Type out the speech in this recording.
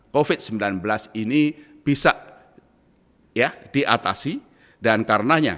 covid sembilan belas ini bisa diatasi dan karenanya